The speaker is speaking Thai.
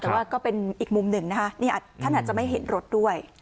แต่ว่าก็เป็นอีกมุมหนึ่งนะคะนี่ท่านอาจจะไม่เห็นรถด้วย